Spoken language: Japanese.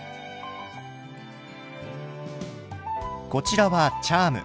こちらはチャーム。